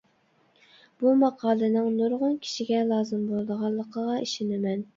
بۇ ماقالىنىڭ نۇرغۇن كىشىگە لازىم بولىدىغانلىقىغا ئىشىنىمەن.